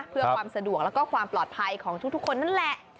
เพื่อความสะดวกแล้วก็ความปลอดภัยของทุกคนนั่นแหละ